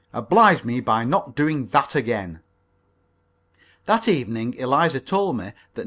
Oblige me by not doing that again!" That evening Eliza told me that No.